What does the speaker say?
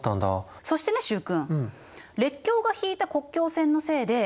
そしてね習君。